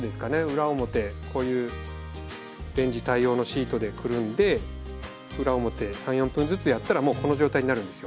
裏表こういうレンジ対応のシートでくるんで裏表３４分ずつやったらもうこの状態になるんですよ。